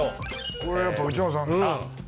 これやっぱ内村さんねぇ。